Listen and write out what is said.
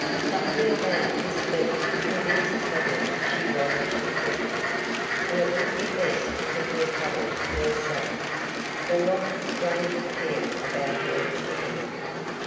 Something about this speech convinced Tavia she was unfortunate, and it would be best to keep her trouble to herself, for what would strangers care about her predicament?